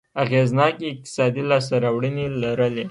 اغېزناکې اقتصادي لاسته راوړنې لرلې.